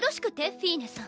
フィーネさん。